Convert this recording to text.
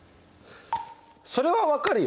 それは分かるよ。